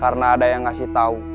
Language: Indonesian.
karena ada yang ngasih tau